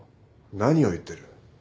何を言ってる。